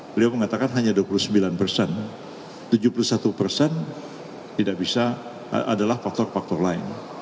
beliau mengatakan hanya dua puluh sembilan persen tujuh puluh satu persen tidak bisa adalah faktor faktor lain